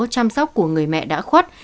chăm sóc của người mẹ đã khuất